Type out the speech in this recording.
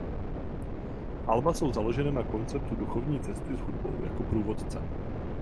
Alba jsou založena na konceptu duchovní cesty s hudbou jako průvodcem.